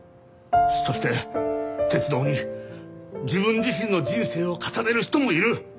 そして鉄道に自分自身の人生を重ねる人もいる！